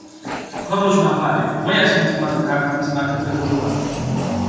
ქომუჩი მა ფარეფი, მოლა ჩქიმიწკჷმა დო ქაღარდის მა ქდჷგოგურუანქ.